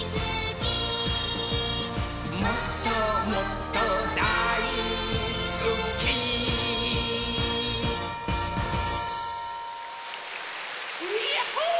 「もっともっとだいすき」ヤッホー！